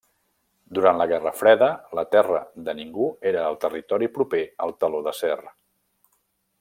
Durant la Guerra Freda la terra de ningú era el territori proper al Teló d'acer.